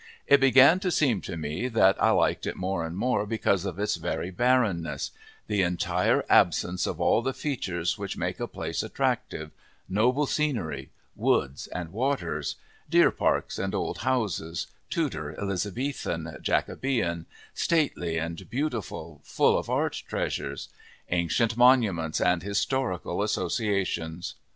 It began to seem to me that I liked it more and more because of its very barrenness the entire absence of all the features which make a place attractive, noble scenery, woods, and waters; deer parks and old houses, Tudor, Elizabethan, Jacobean, stately and beautiful, full of art treasures; ancient monuments and historical associations.